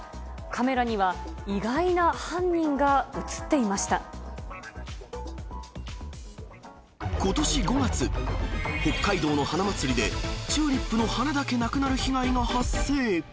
カメラには、ことし５月、北海道の花祭りで、チューリップの花だけなくなる被害が発生。